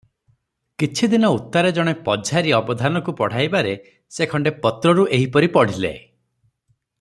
କିଛିଦିନ ଉତ୍ତାରେ ଜଣେ ପଝାରି ଅବଧାନକୁ ପଢ଼ାଇବାରେ ସେ ଖଣ୍ତେ ପତ୍ରରୁ ଏହିପରି ପଢ଼ିଲେ -